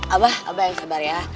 abah abah yang sabar ya